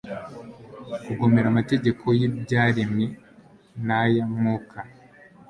Kugomera Amategeko yIbyaremwe naya Mwuka